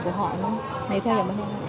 của họ nha nếu theo dõi mọi người